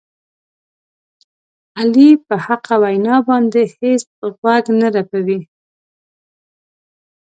علي په حقه وینا باندې هېڅ غوږ نه رپوي.